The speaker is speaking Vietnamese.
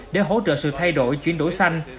để hỗ trợ sự thay đổi chuyển đổi xanh